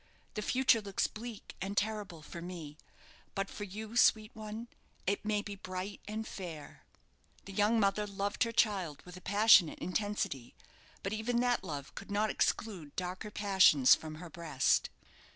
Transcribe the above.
The future looks bleak and terrible for me; but for you, sweet one, it may be bright and fair." The young mother loved her child with a passionate intensity; but even that love could not exclude darker passions from her breast.